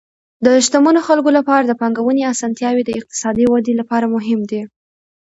د شتمنو خلکو لپاره د پانګونې اسانتیاوې د اقتصادي ودې لپاره مهم دي.